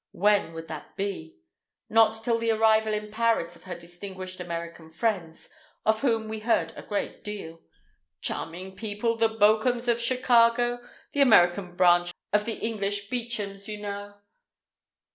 When would that be? Not till the arrival in Paris of her distinguished American friends, of whom we heard a great deal. "Charming people, the Bokums of Chicago, the American branch of the English Beauchamps, you know!"